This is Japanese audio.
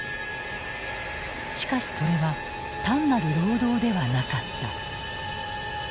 しかしそれは単なる労働ではなかった。